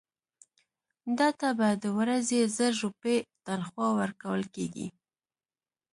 ده ته به د ورځې زر روپۍ تنخوا ورکول کېږي.